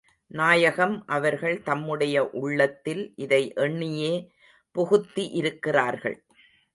நாயகம் அவர்கள் தம்முடைய உள்ளத்தில் இதை எண்ணியே புகுத்தி இருக்கிறார்கள்.